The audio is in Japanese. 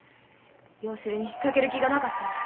要するにかける気がなかったんや。